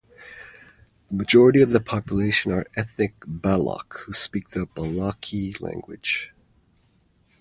The majority of the population are ethnic Baloch, who speak the Balochi language.